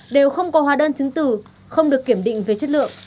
đều không có hóa đơn chứng từ không được kiểm định về chất lượng